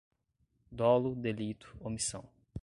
dolo, delito, omissão